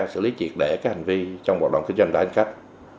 xử lý triệt để các hành vi trong hoạt động kinh doanh đại hành khách